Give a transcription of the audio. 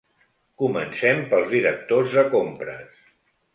Comencem pels directors de compres.